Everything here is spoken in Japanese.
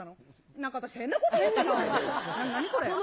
何これ。